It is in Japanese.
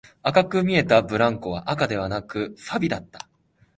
赤く見えたブランコは赤ではなく、錆だった